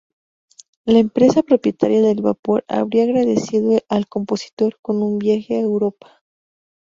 La empresa propietaria del vapor habría agradecido al compositor con un viaje a Europa.